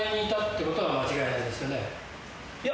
いや。